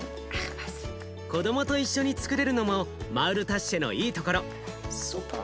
子どもと一緒につくれるのもマウルタッシェのいいところ。